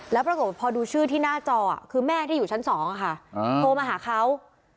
แล้วปรากฏพอดูชื่อที่หน้าจอคือแม่ที่อยู่ชั้น๒ค่ะโทรมาหาเขา